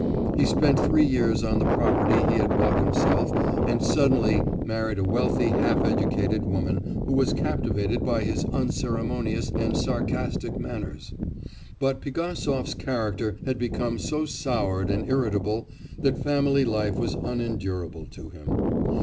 He spent three years on the property he had bought himself and suddenly married a wealthy half educated woman who was captivated by his unceremonious and sarcastic manners. But Pigasov's character had become so soured and irritable that family life was unendurable to him.